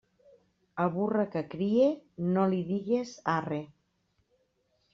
A burra que crie no li digues arre.